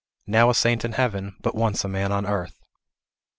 Now a saint in heaven, but once a man on earth.